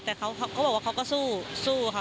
แต่เขาก็บอกว่าเขาก็สู้สู้ค่ะ